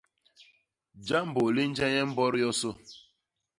Jambô li nje nye mbot yosô.